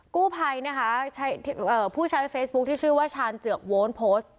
กู้ภัยนะคะผู้ใช้เฟซบุ๊คที่ชื่อว่าชาญเจือกโว้นโพสต์